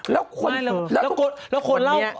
แล้วคนเล่าข่าว